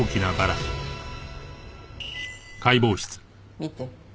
見て。